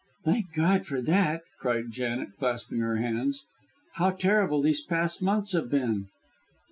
"Thank God for that!" cried Janet, clasping her hands. "Oh, how terrible these past months have been!"